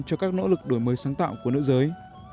cho các nỗ lực đổi mới sáng tạo của nữ giới